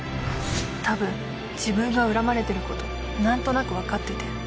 多分自分が恨まれてること何となく分かってて。